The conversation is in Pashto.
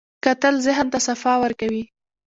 کتل ذهن ته صفا ورکوي